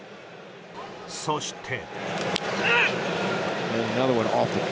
そして。